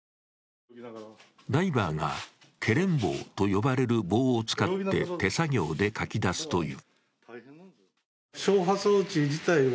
ダイバーがケレン棒と呼ばれる棒を使って手作業でかき出すという。